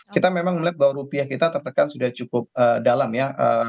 kita memang melihat bahwa rupiah kita tertekan sudah cukup dalam ya